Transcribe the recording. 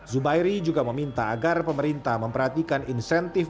zubairi juga meminta agar pemerintah memperhatikan insentif